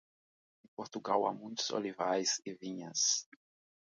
Em Portugal há muitos olivais e vinhas.